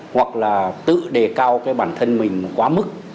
hoặc là tự đề cao cái bản thân mình quá mức